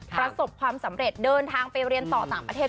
ประสบความสำเร็จเดินทางไปเรียนต่อต่างประเทศ